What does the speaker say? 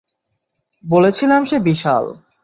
বলেছিলাম সে বিশাল!